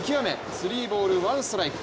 スリーボール・ワンストライク。